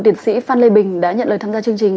liệt sĩ phan lê bình đã nhận lời tham gia chương trình